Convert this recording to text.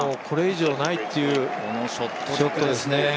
これ以上ないっていうショットですね。